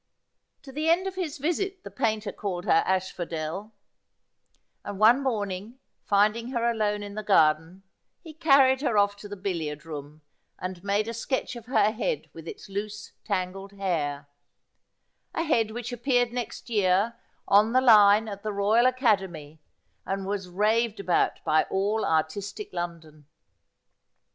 To the end of his visit the painter called her Asphodel, and one morning finding her alone in the garden, he carried her off to the billiard room and made a sketch of her head with its loose tangled hair : a head which appeared next year on the line at the Royal Academy and was raved about by all artistic London.